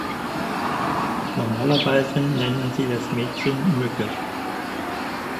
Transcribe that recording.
Normalerweise nennen sie das Mädchen „Mücke“.